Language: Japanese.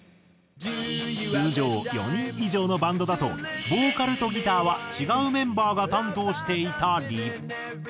通常４人以上のバンドだとボーカルとギターは違うメンバーが担当していたり。